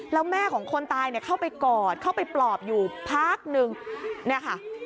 แล้วแม่ของคนตายเนี่ยเข้าไปกอดเข้าไปปลอบอยู่พักนึงเนี่ยค่ะ